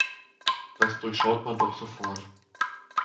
Das durchschaut man doch sofort.